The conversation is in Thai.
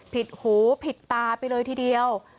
หูผิดตาไปเลยทีเดียว